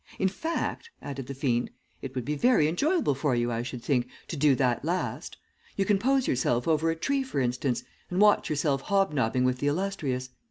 In fact,' added the fiend, 'it would be very enjoyable for you, I should think, to do that last. You can poise yourself over a tree for instance, and watch yourself hobnobbing with the illustrious.